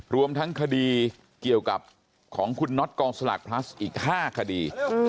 รวมทั้งคดีเกี่ยวกับของคุณน็อตกองสลากพลัสอีก๕คดี